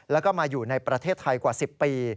แล้วก็มาอยู่ในประเทศไทยกว่า๑๐ปี